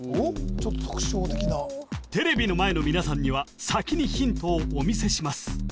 ちょっと特徴的なテレビの前の皆さんには先にヒントをお見せします